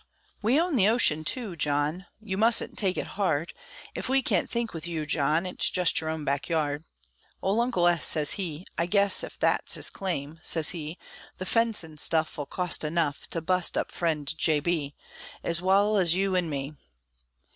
We own the ocean, tu, John: You mus'n' take it hard, Ef we can't think with you, John, It's jest your own back yard. Ole Uncle S. sez he, "I guess Ef thet's his claim," sez he, "The fencin' stuff 'll cost enough To bust up friend J. B., Ez wal ez you an' me!"